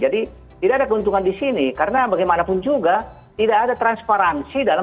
tidak ada keuntungan di sini karena bagaimanapun juga tidak ada transparansi dalam